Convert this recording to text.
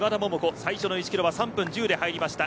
最初の１キロは３分１０で入りました。